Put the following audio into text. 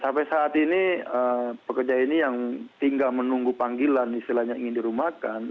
sampai saat ini pekerja ini yang tinggal menunggu panggilan istilahnya ingin dirumahkan